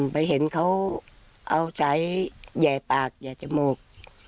ไปเห็นเขาเอาสายแห่ปากแห่จมูก